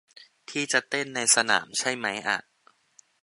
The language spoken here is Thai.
ที่จะเต้นในสนามใช่มั้ยอะ